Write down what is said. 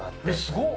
すごっ！